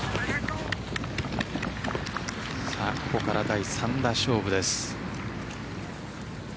ここから第３打勝負です。